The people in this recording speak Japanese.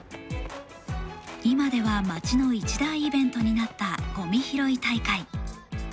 今では町の一大イベントになったゴミ拾い大会。